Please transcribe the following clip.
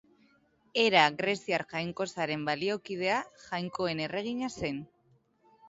Hera greziar jainkosaren baliokidea, jainkoen erregina zen.